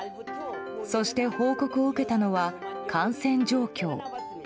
そして報告を受けたのは感染状況。